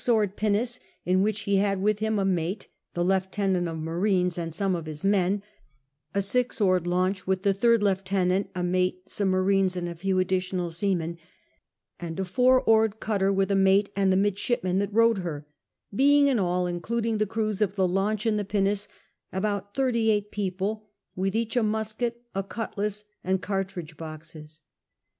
a six oareil pinnace, in wbicli In*, bad with him a mate, the lieutenant ul' marines, anil some of* his men ; a six oared launch, with the Sid lieutenant, a mate, some marines, and a few fidditional seamen ; and a four oai'cd cutter, with a mate and the iiiidshipincn that rowed her ; being in all, in cluding the crews of the launch and pinnace, about 38 people, with each a musket, a cutlass, and cartridge boxes.